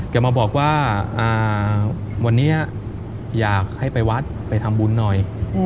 แกมาบอกว่าวันนี้อยากให้ไปวัดไปทำบุญหน่อย